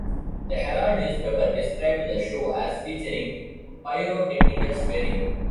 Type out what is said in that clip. The Herald newspaper described the show as featuring Pyrotechnical swearing.